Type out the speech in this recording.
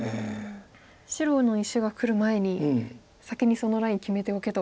白の石がくる前に先にそのライン決めておけと。